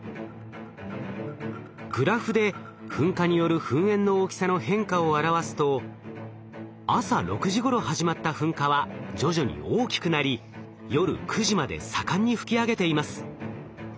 グラフで噴火による噴煙の大きさの変化を表すと朝６時ごろ始まった噴火は徐々に大きくなり夜９時まで盛んに噴き上げています。